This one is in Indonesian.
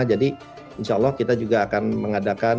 jadi insya allah kita juga akan mengadakan